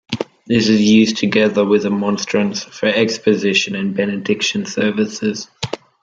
This is used together with a monstrance for exposition and Benediction services.